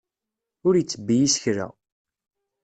Ur ittebbi isekla.